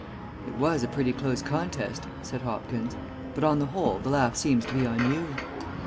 "It was a pretty close contest," said Hopkins. "But on the whole the laugh seems to be on you."